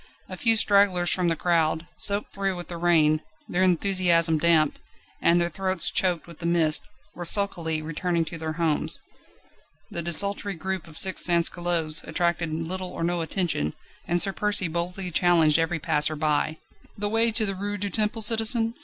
A few stragglers from the crowd, soaked through with the rain, their enthusiasm damped, and their throats choked with the mist, were sulkily returning to their homes. The desultory group of six sansculottes attracted little or no attention, and Sir Percy boldly challenged every passer by. "The way to the Rue du Temple, citizen?"